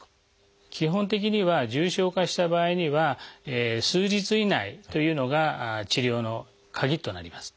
基本的には重症化した場合には数日以内というのが治療のカギとなります。